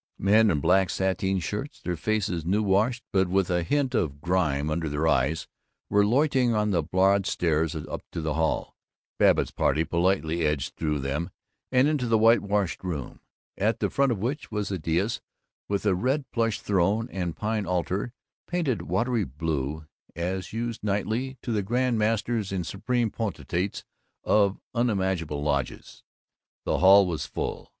Men in black sateen shirts, their faces new washed but with a hint of grime under their eyes, were loitering on the broad stairs up to the hall. Babbitt's party politely edged through them and into the whitewashed room, at the front of which was a dais with a red plush throne and a pine altar painted watery blue, as used nightly by the Grand Masters and Supreme Potentates of innumerable lodges. The hall was full.